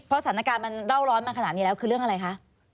สถานการณ์มันเล่าร้อนมาขนาดนี้แล้วคือเรื่องอะไรคะ